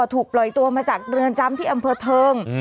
ถูกปล่อยตัวมาจากเรือนจำที่อำเภอเทิง